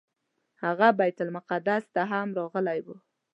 هغه بیت المقدس ته هم راغلی و.